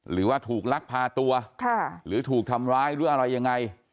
หรือว่าถูกลักพาตัวหรือถูกทำร้ายหรืออะไรยังไง